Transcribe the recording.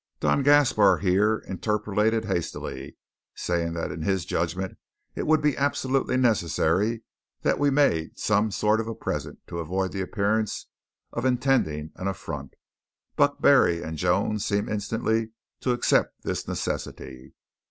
Don Gaspar here interpolated hastily, saying that in his judgment it would be absolutely necessary that we made some sort of a present to avoid the appearance of intending an affront. Buck Barry and Jones seemed instantly to accept this necessity.